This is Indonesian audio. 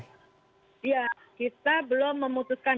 iya kita belum memutuskan